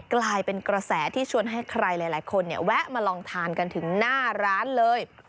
กลายเป็นกระแสที่ชวนให้ใครหลายคนแวะมาลองทานกันถึงหน้าร้านเลย